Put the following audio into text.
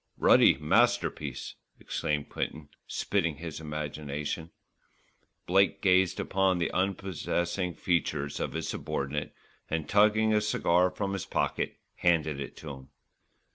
"Ruddy masterpiece," exclaimed Quinton, spitting his admiration. Blake gazed upon the unprepossessing features of his subordinate, and tugging a cigar from his pocket, handed it to him.